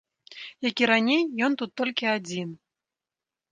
Як і раней, ён тут толькі адзін.